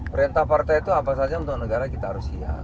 perintah partai itu apa saja untuk negara kita harus siap